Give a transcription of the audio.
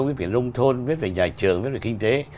viết về nông thôn viết về nhà trường viết về kinh tế